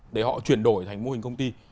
để họ chuyển đổi thành mô hình công ty